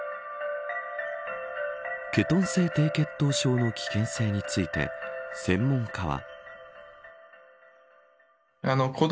ケトン性低血糖症の危険性について専門家は。